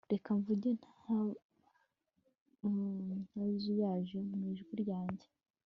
reka mvuge ntazuyaje mu ijwi ryanjye